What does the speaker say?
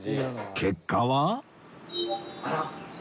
結果は